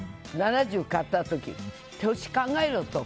７０で買った時、年考えろと。